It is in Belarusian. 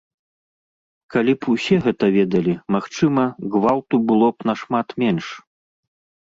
Калі б усе гэта ведалі, магчыма, гвалту было б нашмат менш.